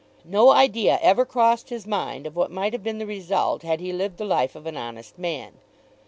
No idea ever crossed his mind of what might have been the result had he lived the life of an honest man.